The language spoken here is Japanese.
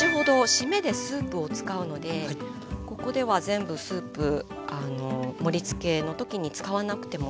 締めでスープを使うのでここでは全部スープ盛りつけの時に使わなくてもいいです。